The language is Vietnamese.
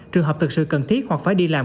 trường hợp thực sự cần thiết hoặc phải đi làm